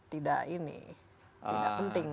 tidak ini tidak penting